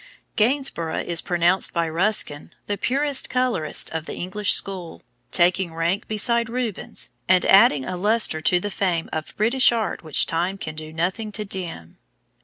Gainsborough is pronounced by Ruskin the purest colorist of the English school, taking rank beside Rubens, and adding a lustre to the fame of British art which time can do nothing to dim.